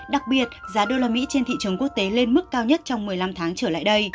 đặc biệt giá đô la mỹ trên thị trường quốc tế lên mức cao nhất trong một mươi năm tháng trở lại đây